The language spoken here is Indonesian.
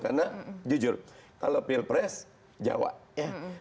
karena jujur kalau pilpres jawa ya